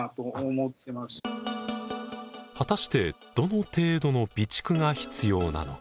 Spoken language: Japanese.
果たしてどの程度の備蓄が必要なのか。